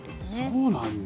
そうなんだ。